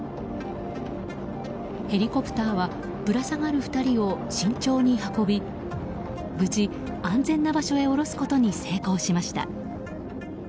ヘリコプターはぶら下がる２人を慎重に運び無事、安全な場所へ降ろすことに成功しました。